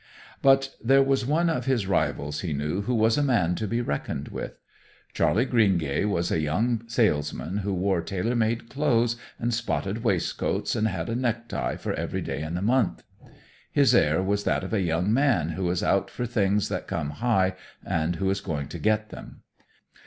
But there was one of his rivals, he knew, who was a man to be reckoned with. Charley Greengay was a young salesman who wore tailor made clothes and spotted waistcoats, and had a necktie for every day in the month. His air was that of a young man who is out for things that come high and who is going to get them.